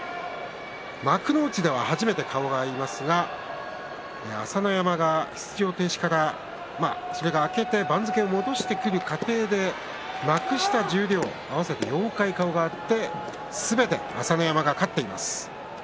幕内では初めて顔が合いますが朝乃山が出場停止から、それが明けて番付を戻してくる過程で幕下、十両合わせて４回顔が合ってすべて朝乃山が勝っています。